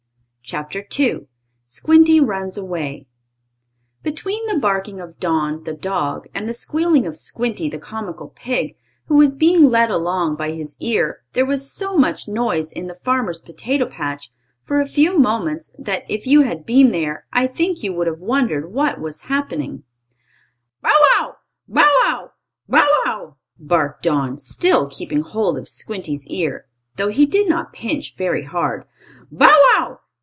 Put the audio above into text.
CHAPTER II SQUINTY RUNS AWAY Between the barking of Don, the dog, and the squealing of Squinty, the comical pig, who was being led along by his ear, there was so much noise in the farmer's potato patch, for a few moments, that, if you had been there, I think you would have wondered what was happening. "Bow wow! Bow wow! Bow wow!" barked Don, still keeping hold of Squinty's ear, though he did not pinch very hard. "Bow wow!